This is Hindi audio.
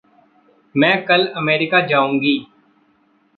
मैं कल अमेरिका जाऊँगी।